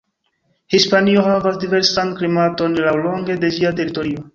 Hispanio havas diversan klimaton laŭlonge de ĝia teritorio.